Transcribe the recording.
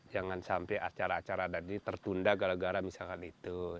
jangan sampai acara acara tadi tertunda gara gara misalkan itu